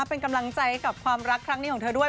เป็นกำลังใจกับความรักครั้งนี้ของเธอด้วย